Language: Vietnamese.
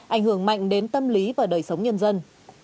ảnh hưởng mạnh đến tâm lý và đời sống nhân dân